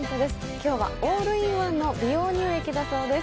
今日はオールインワンの美容乳液だそうです